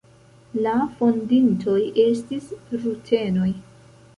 La fondintoj estis rutenoj.